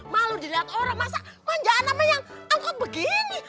malu dilihat orang masa manjaan sama yang angkot begini